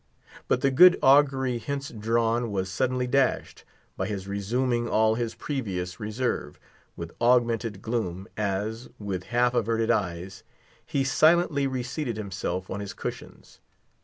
But the good augury hence drawn was suddenly dashed, by his resuming all his previous reserve, with augmented gloom, as, with half averted eyes, he silently reseated himself on his cushions.